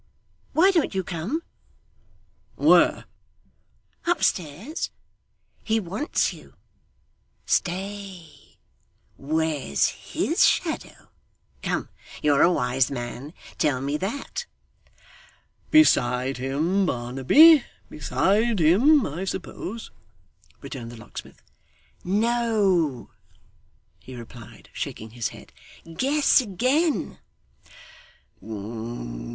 Why don't you come?' 'Where?' 'Upstairs. He wants you. Stay where's HIS shadow? Come. You're a wise man; tell me that.' 'Beside him, Barnaby; beside him, I suppose,' returned the locksmith. 'No!' he replied, shaking his head. 'Guess again.